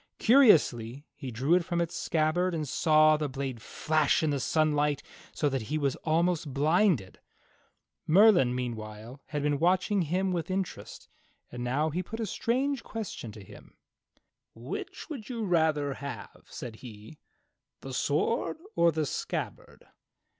Curiously he drew it from its scabbard, and saw the blade flash in the sunlight so that he was almost blinded. Merlin, meanwhile, had been watching him with interest, and now he put a strange question to him: "Which would you rather have," said he, "the sword or the scabbard.